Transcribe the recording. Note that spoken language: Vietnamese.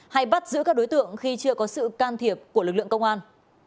hay bắt giữ các đối tượng khi chưa có sự can thiệp của lực lượng công an